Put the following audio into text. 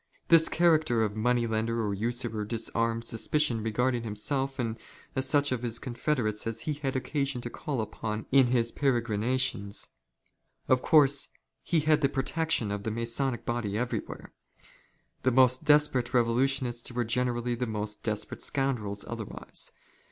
This character of money lender . or usurer disarmed suspicion regarding himself and such ot his confederates as he had occasion to call upon in his peregrina tions. Of course he had the protection of the Masonic body LETTER OF PICCOLO TIGRE, ETC. 73 everywhere. The most desperate revolutionists were generally the most desperate scoundrels otherwise.